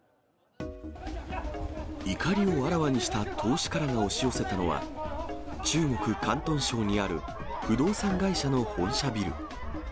怒りをあらわにした投資家らが押し寄せたのは、中国・広東省にある不動産会社の本社ビル。